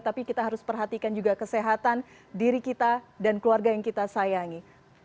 tapi kita harus perhatikan juga kesehatan diri kita dan keluarga yang kita sayangi